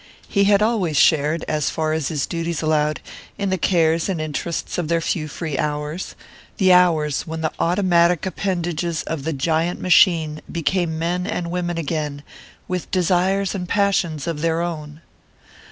He had always shared, as far as his duties allowed, in the cares and interests of their few free hours: the hours when the automatic appendages of the giant machine became men and women again, with desires and passions of their own.